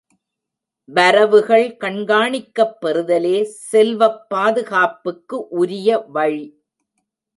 வரவுகள் கண்காணிக்கப் பெறுதலே செல்வப் பாதுகாப்புக்கு உரிய வழி.